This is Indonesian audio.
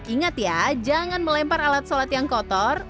ingat ya jangan melempar alat sholat yang kotor